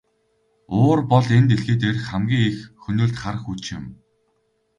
Уур бол энэ дэлхий дээрх хамгийн их хөнөөлт хар хүч юм.